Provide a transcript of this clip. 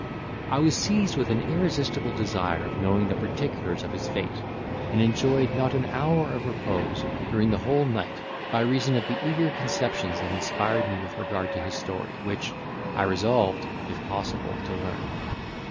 I was seized with an irresistible desire of knowing the particulars of his fate, and enjoyed not an hour of repose during the whole night, by reason of the eager conceptions that inspired me with regard to his story, which I resolved (if possible) to learn.